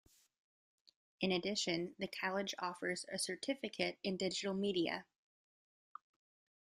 In addition, the college offers a Certificate in Digital Media.